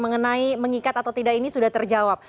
mengenai mengikat atau tidak ini sudah terjawab